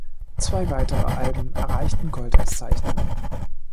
Zwei weitere Alben erreichten Goldauszeichnungen.